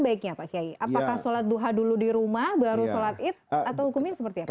baiknya pak kiai apakah sholat duha dulu di rumah baru sholat id atau hukumnya seperti apa